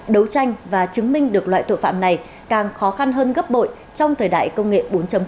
đấu tranh và chứng minh được loại tội phạm này càng khó khăn hơn gấp bội trong thời đại công nghệ bốn